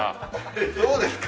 えっどうですか？